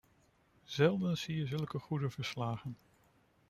Zelden zie je zulke goede verslagen.